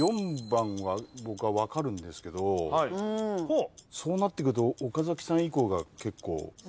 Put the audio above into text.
４番は僕は分かるんですけどそうなってくると岡崎さん以降が結構。